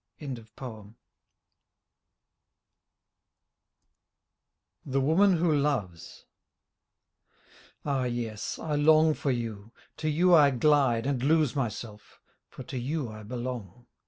32 T^HE WOMAN WHO LOVES Ah yes ! I long for you. To you I glide And lose myself — for to you I belong.